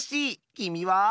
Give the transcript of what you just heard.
きみは？